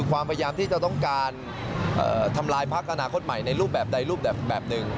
ความพยายามที่จะต้องการทำลายพักอนาคตใหม่ในรูปแบบใดรูปแบบหนึ่ง